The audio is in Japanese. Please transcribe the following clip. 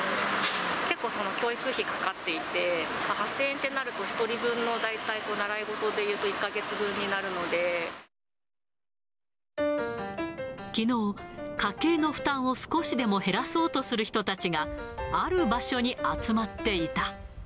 結構その、教育費かかっていて、８０００円ってなると、１人分の大体習い事でいうと、きのう、家計の負担を少しでも減らそうとする人たちが、ある場所に集まっていた。